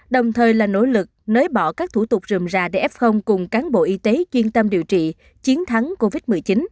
đồng thời là nỗ lực nới bỏ các thủ tục rừng rà để f cùng cán bộ y tế chuyên tâm điều trị chiến thắng covid một mươi chín